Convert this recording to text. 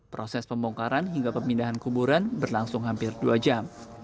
proses pembongkaran hingga pemindahan kuburan berlangsung hampir dua jam